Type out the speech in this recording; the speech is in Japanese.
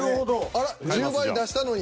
あら１０倍出したのに。